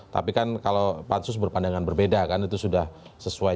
tapi kan kalau pansus berpandangan berbeda kan itu sudah sesuai